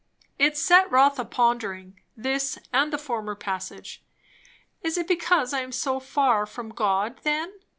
It set Rotha pondering, this and the former passage. Is it because I am so far from God, then?